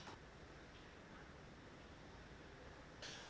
di ruang helpdesk anda akan dihantarkan petugas untuk memasuki ruang helpdesk